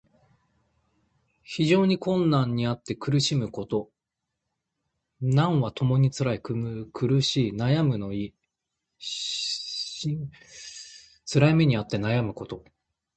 非常な困難にあって苦しみ悩むこと。「艱」「難」はともにつらい、苦しい、悩むの意。「辛苦」はつらく苦しいこと。つらい目にあって悩むこと。